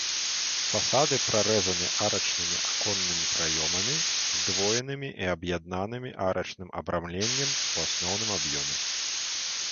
Фасады прарэзаны арачнымі аконнымі праёмамі, здвоенымі і аб'яднанымі арачным абрамленнем у асноўным аб'ёме.